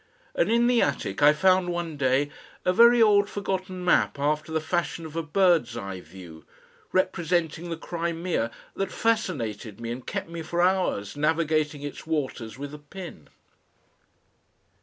And in the attic I found one day a very old forgotten map after the fashion of a bird's eye view, representing the Crimea, that fascinated me and kept me for hours navigating its waters with a pin.